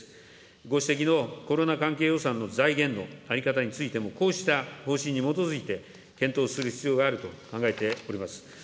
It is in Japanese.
ご指摘のコロナ関係予算の財源の在り方についても、こうした方針に基づいて、検討する必要があると考えております。